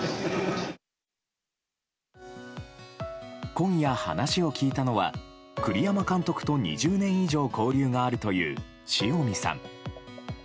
今夜、話を聞いたのは栗山監督と２０年以上交流があるという塩見さん。